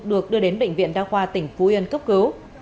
được đưa đến bệnh viện đa khoa tỉnh phú yên cấp cứu